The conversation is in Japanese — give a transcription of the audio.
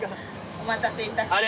お待たせいたしました。